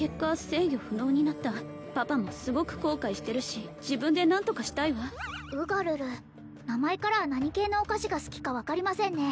制御不能になったパパもすごく後悔してるし自分で何とかしたいわウガルル名前からは何系のお菓子が好きか分かりませんね